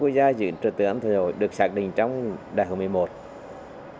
bài phát biểu của bộ trưởng bộ công an được xác định trong đại hội lần thứ một mươi một